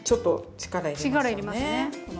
力いりますね。